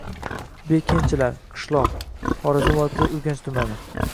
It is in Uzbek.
Bekenchilar – qishloq, Xorazm viloyati Urganch tumani.